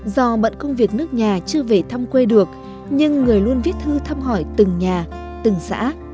do bận công việc nước nhà chưa về thăm quê được nhưng người luôn viết thư thăm hỏi từng nhà từng xã